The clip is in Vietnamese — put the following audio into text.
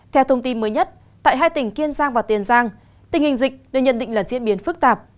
theo thông tin mới nhất tại hai tỉnh kiên giang và tiền giang tình hình dịch được nhận định là diễn biến phức tạp